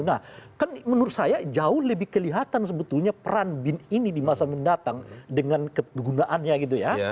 nah kan menurut saya jauh lebih kelihatan sebetulnya peran bin ini di masa mendatang dengan kegunaannya gitu ya